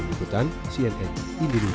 dibutang cnn indonesia